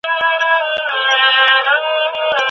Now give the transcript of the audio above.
او ترې لانجې جوړوي، نو دا نوې خبره نه ده